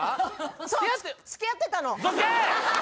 付き合ってたの？